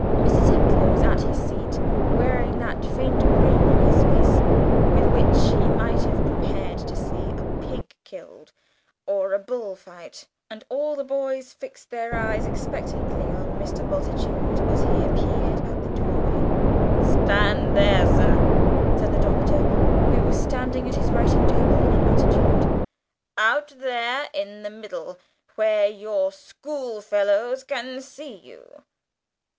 Mr. Tinkler was at his seat, wearing that faint grin on his face with which he might have prepared to see a pig killed or a bull fight, and all the boys fixed their eyes expectantly on Mr. Bultitude as he appeared at the doorway. "Stand there, sir," said the Doctor, who was standing at his writing table in an attitude; "out there in the middle, where your schoolfellows can see you."